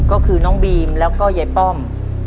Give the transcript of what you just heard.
ก็คือน้องบีมแล้วก็ยายป้อม